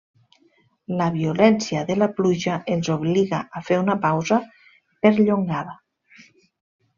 La violència de la pluja els obliga a fer una pausa perllongada.